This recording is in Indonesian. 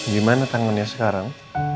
gimana tangannya sekarang